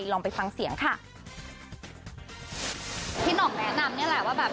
ลองไปฟังเสียงค่ะพี่หน่องแนะนำเนี่ยแหละว่าแบบ